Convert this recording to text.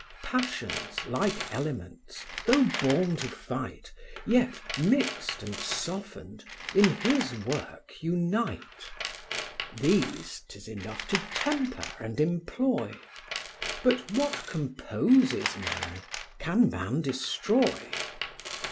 Passions, like elements, though born to fight, Yet, mixed and softened, in his work unite: These, 'tis enough to temper and employ; But what composes man, can man destroy?